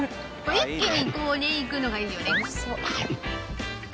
一気にこれいくのがいいよね。